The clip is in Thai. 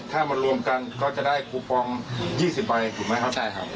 ถ้ามารวมกันก็จะได้คูปอง๒๐ใบถูกไหมครับใช่ครับ